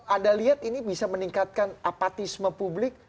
anda lihat ini bisa meningkatkan apatisme publik